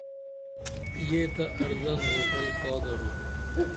یہ تہ ارزن اوٹل کا درو؟